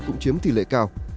cũng chiếm tỷ lệ cao